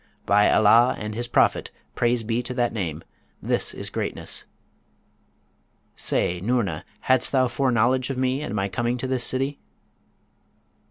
By Allah and his Prophet (praise be to that name!), this is greatness! Say, Noorna, hadst thou foreknowledge of me and my coming to this city?'